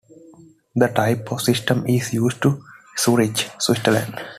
This type of system is used in Zurich, Switzerland.